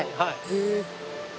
へえ。